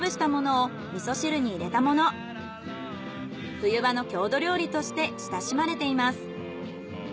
冬場の郷土料理として親しまれています。